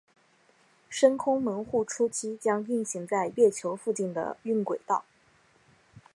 深空门户初期将运行在月球附近的晕轨道。